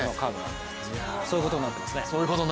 そういうことになっていますね。